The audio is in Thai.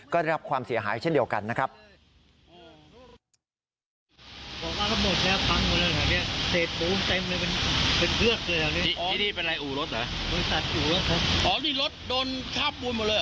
ก็ได้รับความเสียหายเช่นเดียวกันนะครับ